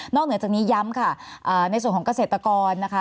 เหนือจากนี้ย้ำค่ะในส่วนของเกษตรกรนะคะ